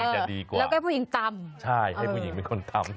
จะดีกว่าแล้วก็ให้ผู้หญิงตำใช่ให้ผู้หญิงเป็นคนตำ